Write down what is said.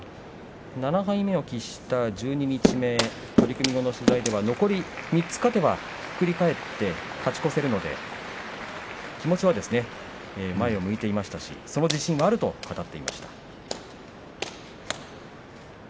７敗目を喫した十二日目取組後の取材では残り３つ勝てば勝ち越せるので気持ちは前を向いていましたしその自信はあると語っていました。